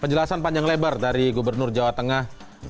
penjelasan panjang lebar dari gubernur jawa tengah